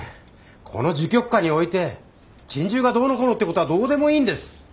この時局下において珍獣がどうのこうのって事はどうでもいいんです！